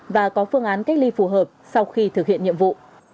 và có phương án cách ly phù hợp sau khi thực hiện nhiệm vụ